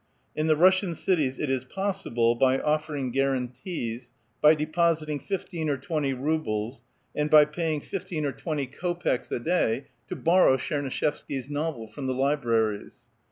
In the Russian cities it is possible, by offering guarantees, by depositing fifteen or twenty rubles, and by paying fifteen or twenty kopeks a day, to borrow Tchemuishevsky's novel from the libraries.